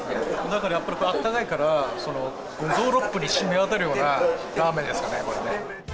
だからやっぱり、あったかいから、五臓六腑にしみわたるようなラーメンですかね、これね。